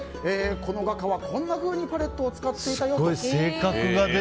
この画家は、こんなふうにパレットを使っていたよと。